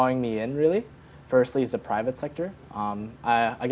ini adalah sebabnya saya sangat senang